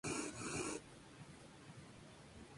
La documentación disponible hace referencia a carruajes.